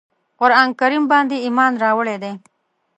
قرآن کریم باندي ایمان راوړی دی.